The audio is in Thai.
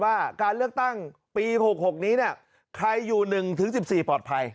ว่าการเลือกตั้งปี๖๖นี้ใครอยู่๑๑๔ปลอดภัย